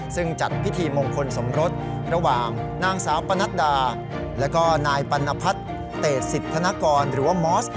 ซึ่งจัดพิธีมงคลสมรสระหว่างนางสาวปนัดดาแล้วก็นายปัณพัฒน์เตสิทธนกรหรือว่ามอส